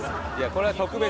これは特別。